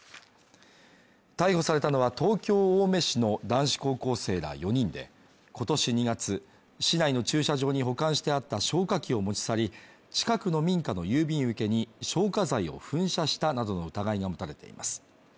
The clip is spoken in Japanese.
逮捕されたのは東京青梅市の男子高校生ら４人で、今年２月、市内の駐車場に保管してあった消火器を持ち去り、近くの民家の郵便受けに消火剤を噴射したなどの疑いが持たれています。